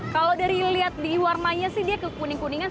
kalau dari warna nya kekuningan